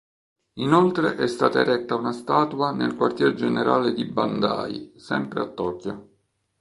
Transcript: Inoltre è stata eretta una statua nel quartier generale di Bandai sempre a Tokyo.